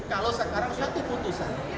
kalau sekarang suatu keputusan